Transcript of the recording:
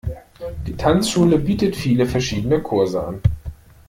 Die Tanzschule bietet viele verschiedene Kurse an.